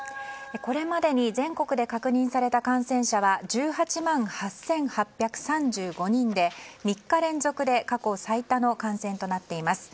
これまでに全国で確認された感染者は１８万８８３５人で３日連続で過去最多の感染となっています。